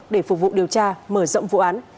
để phục vụ điều tra mở rộng vụ án